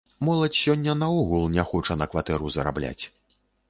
Моладзь сёння наогул не хоча на кватэру зарабляць.